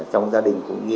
trong gia đình cũng ghi là